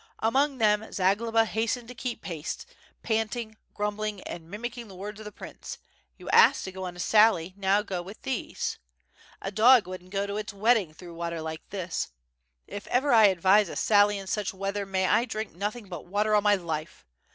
Among them Zagloba hastened to keep pace, panting, grumbling, and mim icking the words of the prince, "You asked to go on a sally, go now with these. A dog wouldn't go to its wedding through water like this. If ever 1 advise a sally in such weather may I drink nothing but water all my life!